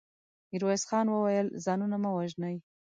ميرويس خان وويل: ځانونه مه وژنئ.